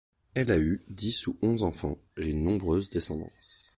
Elle a eu dix ou onze enfants, et une nombreuse descendance.